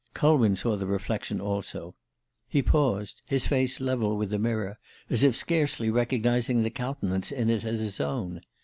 Culwin saw the reflection also. He paused, his face level with the mirror, as if scarcely recognizing the countenance in it as his own.